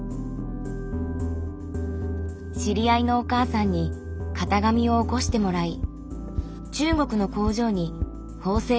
知り合いのお母さんに型紙をおこしてもらい中国の工場に縫製を頼んだんです。